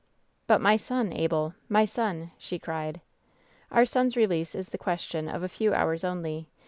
"But my son, Abel !— ^my son !" she cried. "Our son's release is the question of a few hours only.